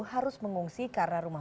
harus mengungsi karena rumah